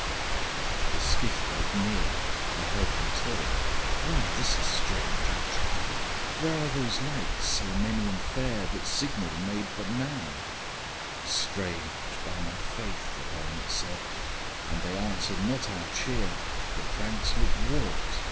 The skiff boat neared: I heard them talk, 'Why, this is strange, I trow! Where are those lights so many and fair, That signal made but now?' Approacheth the ship with wonder. 'Strange, by my faith!' the Hermit said 'And they answered not our cheer! The planks looked warped!